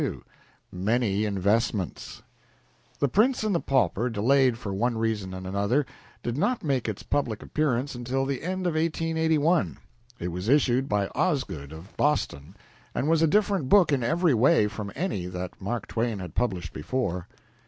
XLII MANY INVESTMENTS The "Prince and the Pauper," delayed for one reason and another, did not make its public appearance until the end of 1881. It was issued by Osgood, of Boston, and was a different book in every way from any that Mark Twain had published before.